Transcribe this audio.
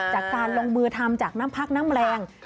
จากการลงมือทำจากน้ำพักน้ำแรง